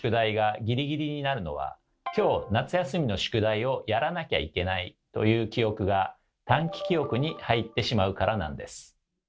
「きょう夏休みの宿題をやらなきゃいけない」という記憶が短期記憶に入ってしまうからなんです。